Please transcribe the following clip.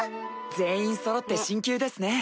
全員そろって進級ですね。